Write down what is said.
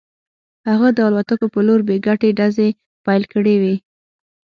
هغه د الوتکو په لور بې ګټې ډزې پیل کړې وې